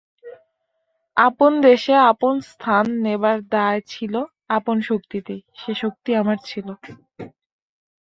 আপন দেশে আপন স্থান নেবার দায় ছিল আপন শক্তিতেই, সে শক্তি আমার ছিল।